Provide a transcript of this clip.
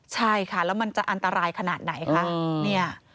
ใช่ค่ะแล้วมันจะอันตรายขนาดไหนคะ